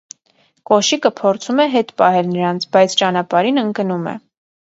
Կոշիկը փորձում է հետ պահել նրանց, բայց ճանապարհին ընկնում է։